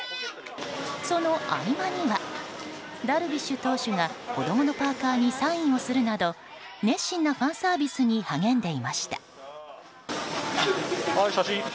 その合間にはダルビッシュ投手が子供のパーカにサインするなど熱心なファンサービスに励んでいました。